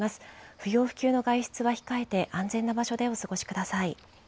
不要不急の外出は控えて、安全な場所でお過ごしください。